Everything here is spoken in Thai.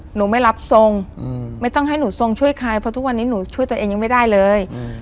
หนูไม่รับทรงไม่ต้องให้หนูทรงช่วยใครเพราะทุกวันนี้หนูช่วยตัวเองยังไม่ได้เลย